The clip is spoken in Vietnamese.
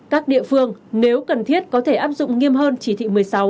các địa phương nếu cần thiết có thể áp dụng nghiêm hơn chỉ thị một mươi sáu